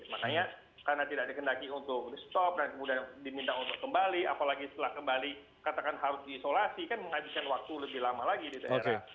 makanya karena tidak dikendaki untuk di stop dan kemudian diminta untuk kembali apalagi setelah kembali katakan harus diisolasi kan menghabiskan waktu lebih lama lagi di daerah